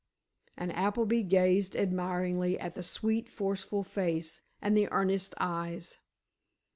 and Appleby gazed admiringly at the sweet, forceful face, and the earnest eyes.